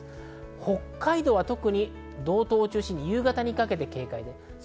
北海道は特に道東を中心に夕方にかけて警戒が必要です。